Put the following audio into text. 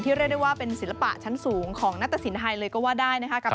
เรียกได้ว่าเป็นศิลปะชั้นสูงของนัตตสินไทยเลยก็ว่าได้นะคะ